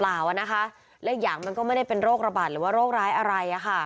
เปล่านะคะและอย่างมันก็ไม่ได้เป็นโรคระบาดหรือว่าโรคร้ายอะไรอะค่ะ